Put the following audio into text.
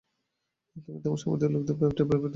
তুমি তোমার সম্প্রদায়ের লোকদের ব্যাপারটি ভেবে দেখেছ কি?